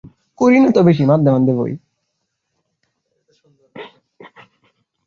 স্বামীজী অল্পমাত্র চা পান করিলেন।